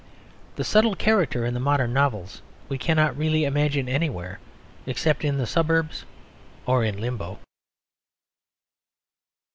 The subtle character in the modern novels we cannot really imagine anywhere except in the suburbs or in Limbo.